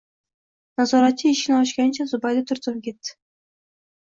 Nazoratchi eshikni ochganda Zubayda turtinib ketdi